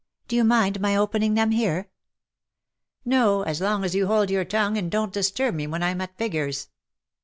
" Do you mind my opening them here ?"" No ; as long as you hold your tongue, and don't disturb me when I'm at figures."